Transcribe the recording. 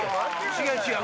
違う違う！